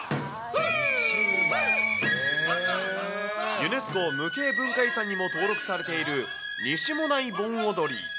ユネスコ無形文化遺産にも登録されている、西馬音内盆踊り。